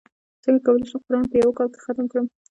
څنګه کولی شم قران په یوه کال کې ختم کړم